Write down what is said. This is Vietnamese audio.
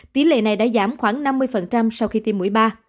tỷ lệ này đã giảm khoảng năm mươi sau khi tiêm mũi ba